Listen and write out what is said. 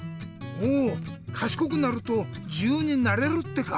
おかしこくなるとじゆうになれるってか。